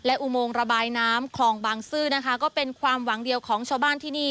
อุโมงระบายน้ำคลองบางซื่อนะคะก็เป็นความหวังเดียวของชาวบ้านที่นี่